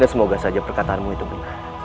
dan semoga saja perkataanmu itu benar